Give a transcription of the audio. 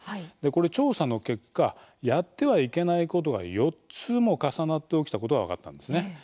これ、調査の結果やってはいけないことが４つも重なって起きたことが分かったんですね。